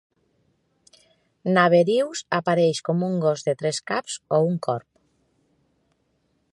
Naberius apareix com un gos de tres caps o un corb.